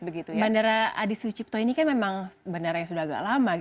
bandara adi sucipto ini kan memang bandara yang sudah agak lama